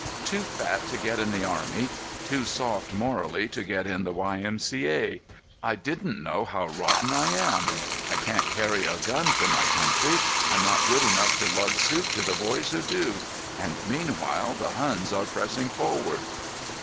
"Too fat to get in the army; too soft morally to get in the Y. M. C. A. I didn't know how rotten I am. I can't carry a gun for my country; I'm not good enough to lug soup to the boys who do. And, meanwhile, the Huns are pressing forward."